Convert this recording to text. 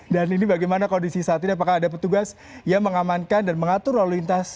dan ini bagaimana kondisi saat ini apakah ada petugas yang mengamankan dan mengatur lalu lintas